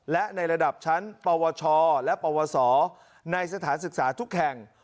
และในระดับชั้นปวชและปวสในสถานศึกษาทุกแห่ง